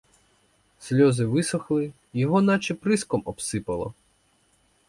Сльози висохли, його наче приском обсипало.